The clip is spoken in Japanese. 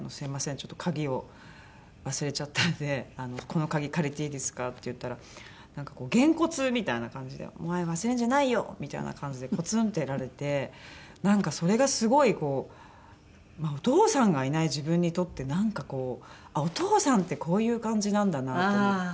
ちょっと鍵を忘れちゃったんでこの鍵借りていいですか？」って言ったらなんかこうげんこつみたいな感じで「お前忘れんじゃないよ！」みたいな感じでコツンってやられてなんかそれがすごいこうお父さんがいない自分にとってなんかこうお父さんってこういう感じなんだなと思って。